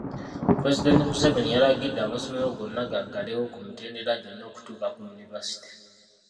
Pulezidenti Museveni yalagidde amasomero gonna gaggalewo ku mitendera gyonna okutuuka ku yunivaasite.